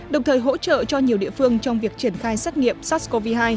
đồng thời hỗ trợ cho nhiều địa phương trong việc triển khai xét nghiệm sars cov hai